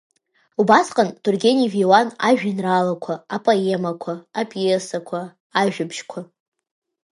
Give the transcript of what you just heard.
Убасҟан Тургенев иҩуан ажәеинраалақәа, апоемақәа, апиесақәа, ажәабжьқәа.